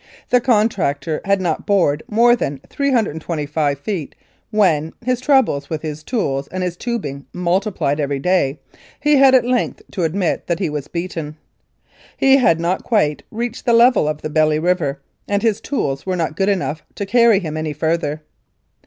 The contractor had not bored more than about 325 feet when, his troubles with his tools and his tubing multiplied every day, he had at length to admit that he was beaten. He had not quite reached the level of the Belly River, and his tools were not good enough to carry him any farther.